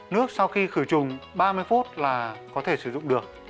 nước sau khi khử trùng ba mươi phút là có thể sử dụng được